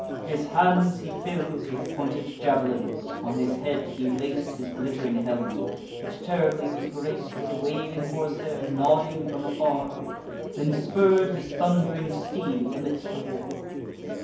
His hands he fills With pointed jav'lins; on his head he lac'd His glitt'ring helm, which terribly was grac'd With waving horsehair, nodding from afar; Then spurr'd his thund'ring steed amidst the war.